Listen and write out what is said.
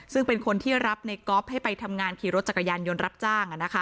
ซึ่งเป็นคนที่รับในก๊อฟให้ไปทำงานขี่รถจักรยานยนต์รับจ้าง